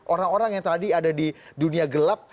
orang orang yang tadi ada di dunia gelap